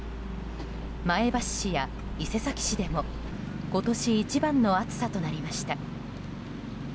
前橋市や伊勢崎市でも今年一番の暑さとなりました。